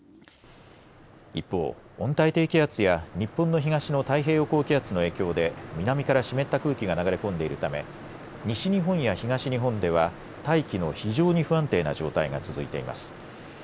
一方、温帯低気圧や日本の東の太平洋高気圧の影響で南から湿った空気が流れ込んでいるため西日本や東日本では大気の非常に不安定な状態が続いています。